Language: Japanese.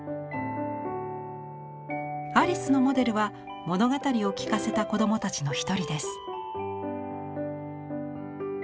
アリスのモデルは物語を聞かせた子供たちの１人です。